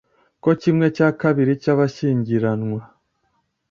ko kimwe cya kabiri cy'abashyingiranwa